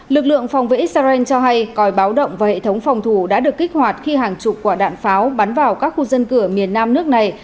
lực lượng phòng vệ israel cho hay còi báo động và hệ thống phòng thủ đã được kích hoạt khi hàng chục quả đạn pháo bắn vào các khu dân cửa miền nam nước này